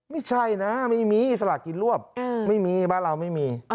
ไม่ใช่นะไม่มีสลากกินรวบไม่มีบ้านเราไม่มี